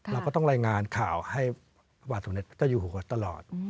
เราก็ต้องรายงานข่าวให้พระบาทสมเด็จเจ้าอยู่หัวตลอด